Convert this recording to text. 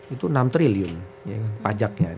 itu enam triliun pajaknya